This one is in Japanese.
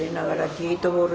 ゲートボール。